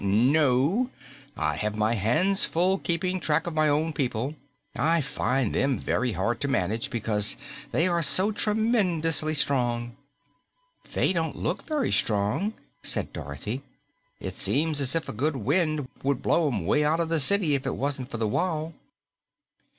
"No, I have my hands full keeping track of my own people. I find them hard to manage because they are so tremendously strong." "They don't look very strong," said Dorothy. "It seems as if a good wind would blow 'em way out of the city if it wasn't for the wall."